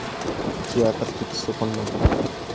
Театр тип суҡындың!